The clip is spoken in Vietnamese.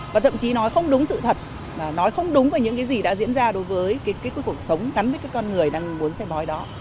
và thậm chí nói không đúng sự thật nói không đúng về những cái gì đã diễn ra đối với cuộc sống gắn với cái con người đang muốn xem bói đó